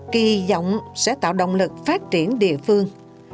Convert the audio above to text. kỳ vọng sẽ tạo động lực phát triển địa phương